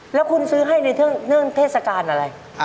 แล้วคุณซื้อให้ในเรื่องเทศกาลอะไร